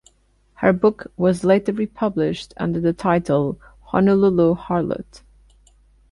Her book was later re-published under the title Honolulu Harlot.